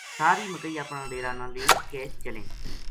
ساری مکئی اپنا ڈیرا نا لے کے چلیں